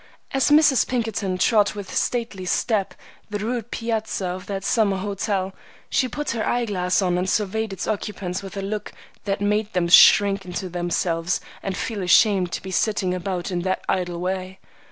As Mrs. Pinkerton trod with stately step the rude piazza of that summer hotel, she put her eye glasses on and surveyed its occupants with a look that made them shrink into themselves and feel ashamed to be sitting about in that idle way.